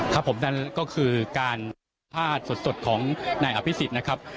ครับผมนั่นก็คือการพาดสดของนายอภิษฎนะครับ